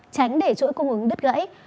tránh để chuỗi công ứng đứt gãy